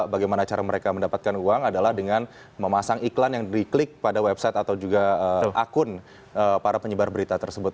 bagaimana cara mereka mendapatkan uang adalah dengan memasang iklan yang diklik pada website atau juga akun para penyebar berita tersebut